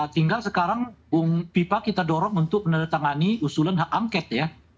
tinggal sekarang bipa kita dorong untuk meneretangani usulan hak angket ya